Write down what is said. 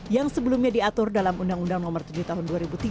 yang sebelumnya diatur dalam undang undang nomor tujuh tahun dua ribu tiga